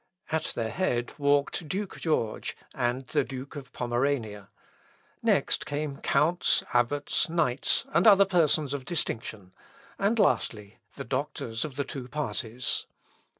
At their head walked Duke George, and the Duke of Pomerania; next came counts, abbots, knights, and other persons of distinction; and, lastly, the doctors of the two parties.